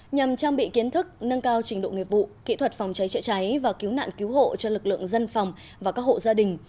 nhằm trang bị kiến thức nâng cao trình độ nghiệp vụ kỹ thuật phòng cháy chữa cháy và cứu nạn cứu hộ cho lực lượng dân phòng và các hộ gia đình